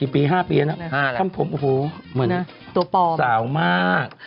๕ปีแล้วน่ะท่ามผมเหมือนสาวมาก